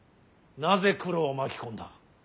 なぜ九郎を巻き込んだ。